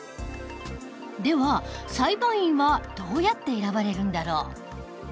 では裁判員はどうやって選ばれるんだろう？